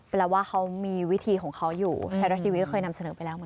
เป็นแล้วว่าเขามีวิธีของเขาอยู่ไทยรัฐทีวีเคยนำเสนอไปแล้ว